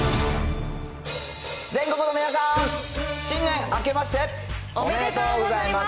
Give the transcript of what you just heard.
全国の皆さん、新年あけましておめでとうございます。